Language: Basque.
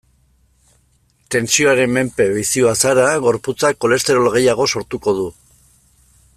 Tentsioaren menpe bizi bazara, gorputzak kolesterol gehiago sortuko du.